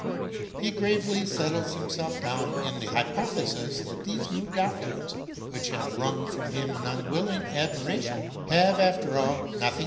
He gravely settles himself down in the hypothesis that these new doctrines, which have wrong from him an unwilling admiration, have, after all, nothing